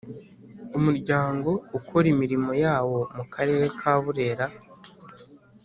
Umuryango ukora imirimo yawo mu Karere ka Burera